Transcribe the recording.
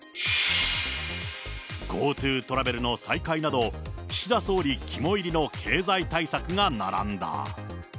ＧｏＴｏトラベルの再開など、岸田総理肝いりの経済対策が並んだ。